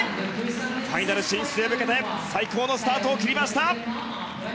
ファイナル進出へ向けて最高のスタートを切りました。